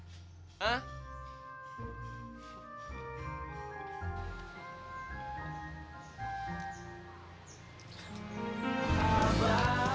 kalian selesai sama